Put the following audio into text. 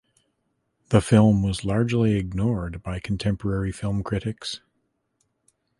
The film was largely ignored by contemporary film critics.